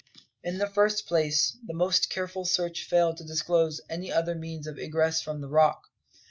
In the first place, the most careful search failed to disclose any other means of egress from the Rock.